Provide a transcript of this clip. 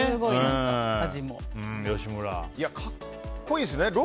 格好いいですね。